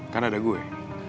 kan ada gue